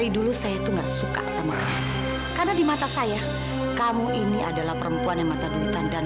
dengan laki laki yaitu iksan